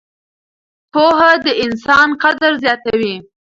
پوهه د انسان قدر زیاتوي.